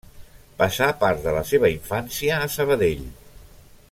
Passà part de la seva infància a Sabadell.